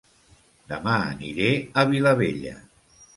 Dema aniré a Vilabella